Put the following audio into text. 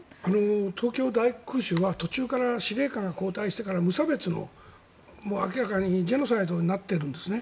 東京大空襲は途中から司令官が交代してから無差別の明らかにジェノサイドになってるんですね。